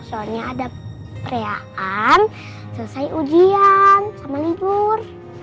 soalnya ada perayaan selesai ujian sama libur